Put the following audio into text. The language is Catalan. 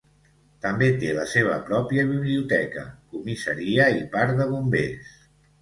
També té la seva pròpia biblioteca, comissaria i parc de bombers.